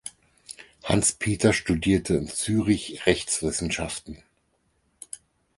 Hans Peter studierte in Zürich Rechtswissenschaften.